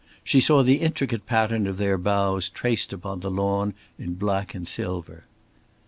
She saw the intricate pattern of their boughs traced upon the lawn in black and silver.